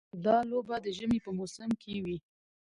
دا لوبه د ژمي په موسم کې وي.